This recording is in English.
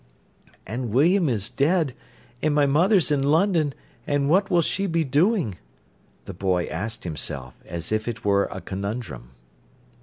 "And William is dead, and my mother's in London, and what will she be doing?" the boy asked himself, as if it were a conundrum.